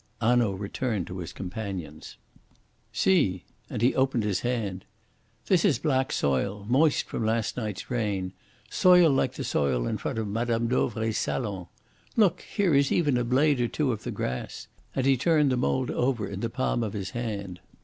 Hanaud returned to his companions. "See!" And he opened his hand. "This is black soil moist from last night's rain soil like the soil in front of Mme. Dauvray's salon. Look, here is even a blade or two of the grass"; and he turned the mould over in the palm of his hand.